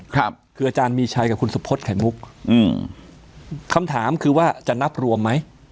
ครับคืออาจารย์มีชัยกับคุณสุพธิ์ไข่มุกอืมคำถามคือว่าจะนับรวมไหม